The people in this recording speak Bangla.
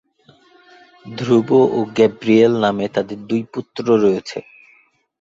ধ্রুব ও গ্যাব্রিয়েল নামে তাদের দুই পুত্র রয়েছে।